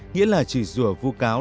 nghĩa là chỉ rủa vu cáo